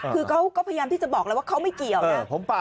คือเขาก็พยายามที่จะบอกแล้วว่าเขาไม่เกี่ยวนะ